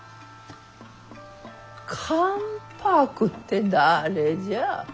関白って誰じゃ。